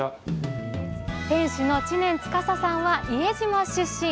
店主の知念司さんは伊江島出身。